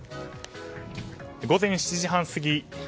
午前７時半過ぎ